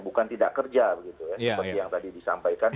bukan tidak kerja seperti yang tadi disampaikan